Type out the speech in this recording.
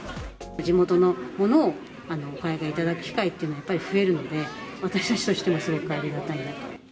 地元のものをお買い上げいただける機会っていうのがやっぱり増えるんで、私たちとしてはすごくありがたいなと。